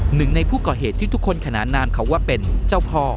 หนึ่งในผู้ก่อเหตุที่ทุกคนขนานนามเขาว่าเป็นเจ้าพ่อ